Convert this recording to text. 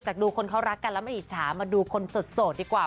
ดูคนเขารักกันแล้วไม่อิจฉามาดูคนโสดดีกว่า